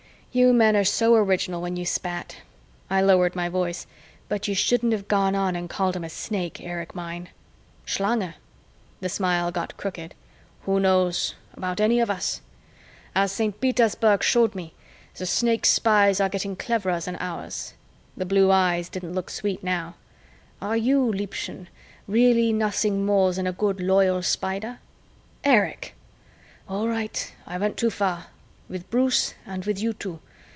"You men are so original when you spat." I lowered my voice. "But you shouldn't have gone on and called him a Snake, Erich mine." "Schlange?" The smile got crooked. "Who knows about any of us? As Saint Petersburg showed me, the Snakes' spies are getting cleverer than ours." The blue eyes didn't look sweet now. "Are you, Liebchen, really nothing more than a good loyal Spider?" "Erich!" "All right, I went too far with Bruce and with you too.